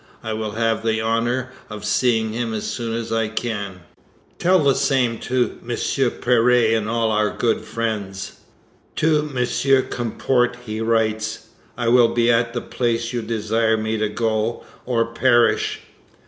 I will have the honour of seeing him as soon as I can. Tell the same to M. Péré and all our good friends.' To M. Comporte he writes: 'I will be at the place you desire me to go, or perish.'